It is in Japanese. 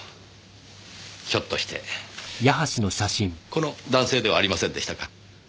ひょっとしてこの男性ではありませんでしたか？